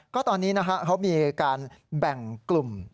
ก็ตอนนี้นะฮะเขามีการแบ่งกลุ่ม